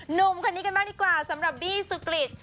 หนุ่มคนนี้กันบ้างดีกว่าสำหรับบี้สุกริต